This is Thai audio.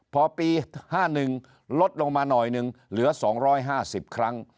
พอปี๕๑ลดลงมาหน่อยหนึ่งเหลือ๒๕๐ครั้ง